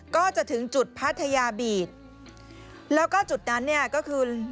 ก็จะถึงจุดพัทยาบีตแล้วก็จุดนั้นเนี่ยก็คือ